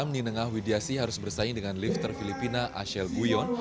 di tengah widiasi harus bersaing dengan lifter filipina asel guyon